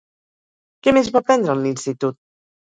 Què més va aprendre en l'institut?